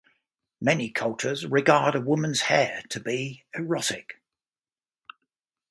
Many cultures regard a woman's hair to be erotic.